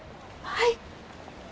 はい。